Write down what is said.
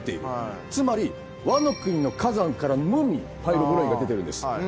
つまりワノ国の火山からのみパイロブロインが出てるんです。